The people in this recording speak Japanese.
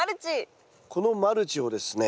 このマルチをですね